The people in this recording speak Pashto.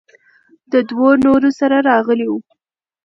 له دوو نورو سره راغلى و.